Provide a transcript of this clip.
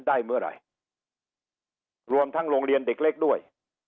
ได้เมื่อไหร่รวมทั้งโรงเรียนเด็กเล็กด้วย